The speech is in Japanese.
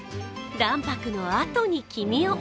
卵白のあとに黄身を。